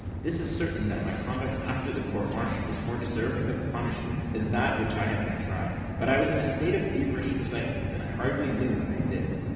This is certain, that my conduct after the court martial was more deserving of punishment than that for which I had been tried: but I was in a state of feverish excitement, and hardly knew what I did.